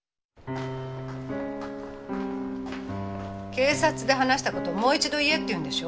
警察で話した事をもう一度言えっていうんでしょ？